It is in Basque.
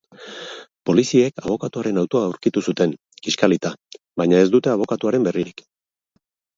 Poliziek abokatuaren autoa aurkitu zuten, kiskalita, baina ez dute abokatuaren berririk.